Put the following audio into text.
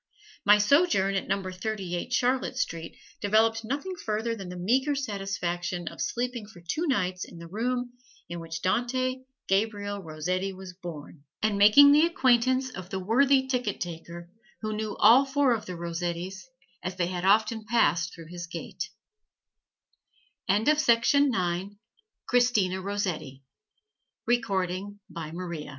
My sojourn at Number Thirty eight Charlotte Street developed nothing further than the meager satisfaction of sleeping for two nights in the room in which Dante Gabriel Rossetti was born, and making the acquaintance of the worthy ticket taker, who knew all four of the Rossettis, as they had often passed through his gate. Professor Rossetti lived for twelve years at Thirty eight